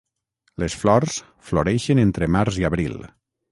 Les flors floreixen entre març i abril.